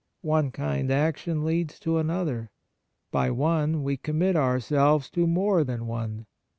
One kind action leads to another. By one we commit ourselves to more than one.